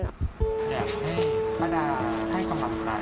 อยากให้ป้าดาให้ความหักหมื่น